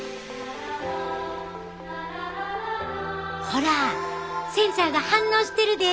ほらセンサーが反応してるで。